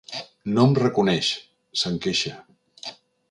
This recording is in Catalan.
No em reconeix —se'n queixa.